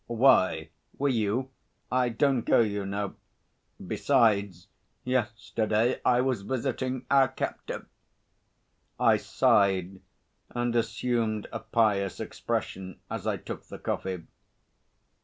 "Why, were you? I don't go, you know. Besides, yesterday I was visiting our captive...." I sighed and assumed a pious expression as I took the coffee.